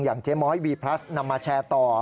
เจ๊ม้อยวีพลัสนำมาแชร์ต่อ